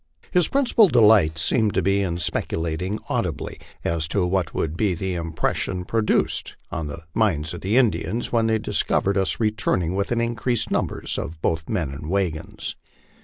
His principal delight seemed to be in speculating audibly as to what would be the impression produced on the minds of the Indians when they discovered us returning with increased numbers both of men and wagons.